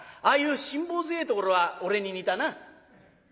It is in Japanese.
ああいう辛抱強えところは俺に似たな」。